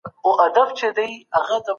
ایا دولت د عایداتو د زیاتوالي لپاره پلان لري؟